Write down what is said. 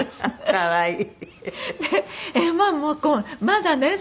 可愛い。